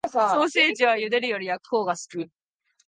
ソーセージは茹でるより焼くほうが好き